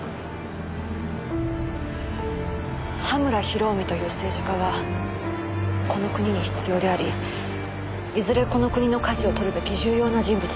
葉村比呂臣という政治家はこの国に必要でありいずれこの国の舵を取るべき重要な人物です。